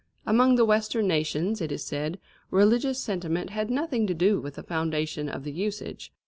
Among the Western nations, it is said, religious sentiment had nothing to do with the foundation of the usage.